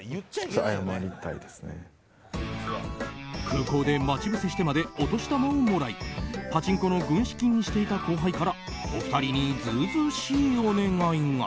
空港で待ち伏せしてまでお年玉をもらいパチンコの軍資金にしていた後輩からお二人に図々しいお願いが。